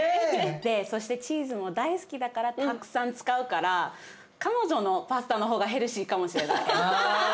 そしてチーズも大好きだからたくさん使うから彼女のパスタの方がヘルシーかもしれない。